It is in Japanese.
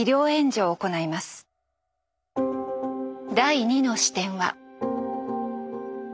第２の視点は。